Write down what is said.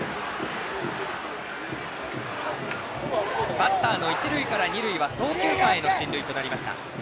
バッターの一塁から二塁は送球間の進塁となりました。